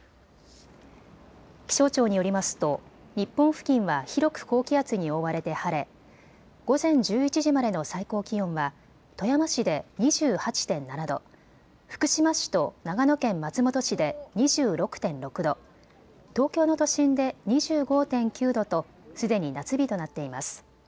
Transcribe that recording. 気象庁によりますと日本付近は広く高気圧に覆われて晴れ午前１１時までの最高気温は富山市で２８．７度、福島市と長野県松本市で２６．６度、東京の都心で２５．９度とすでに夏日となっています。